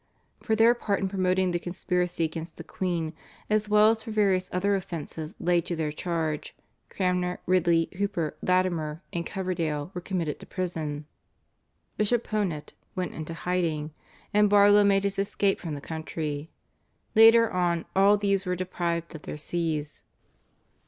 For their part in promoting the conspiracy against the queen as well as for various other offences laid to their charge Cranmer, Ridley, Hooper, Latimer, and Coverdale were committed to prison; Bishop Ponet went into hiding, and Barlow made his escape from the country. Later on all these were deprived of their Sees.